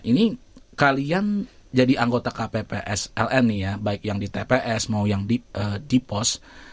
ini kalian jadi anggota kppsln nih ya baik yang di tps mau yang di pos